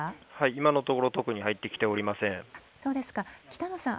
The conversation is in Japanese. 今のところ特に入ってきておりません。